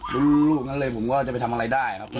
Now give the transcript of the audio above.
ลูกนั้นเลยผมก็จะไปทำอะไรได้ครับ